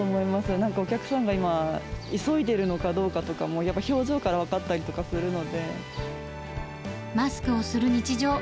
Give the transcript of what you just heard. なんかお客さんが今、急いでるのかどうかとかも、やっぱ表情とかマスクをする日常。